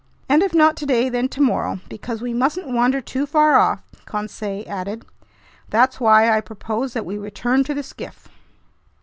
"And if not today, then tomorrow, because we mustn't wander too far off," Conseil added. "That's why I propose that we return to the skiff."